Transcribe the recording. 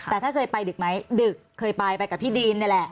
แต่ถ้าเคยไปดึกไหมดึกเคยไปไปกับพี่ดีนนี่แหละ